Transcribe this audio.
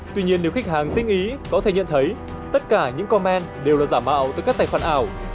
tuy nhiên nếu khách hàng tinh ý có thể nhận thấy tất cả những comment đều là giả mạo từ các tài khoản ảo